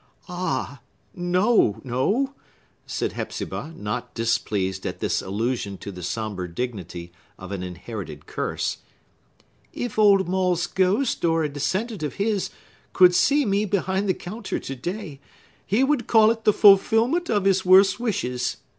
"Ah!—no, no!" said Hepzibah, not displeased at this allusion to the sombre dignity of an inherited curse. "If old Maule's ghost, or a descendant of his, could see me behind the counter to day, he would call it the fulfillment of his worst wishes.